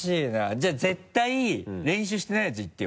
じゃあ絶対練習してないやついってよ